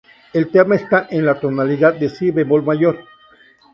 El tema está en la tonalidad de "si" bemol mayor.